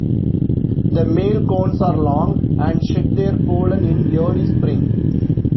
The male cones are long, and shed their pollen in early spring.